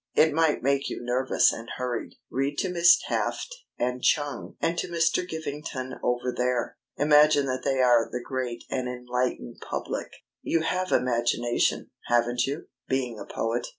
It might make you nervous and hurried. Read to Miss Taft and Chung, and to Mr. Givington over there. Imagine that they are the great and enlightened public. You have imagination, haven't you, being a poet?"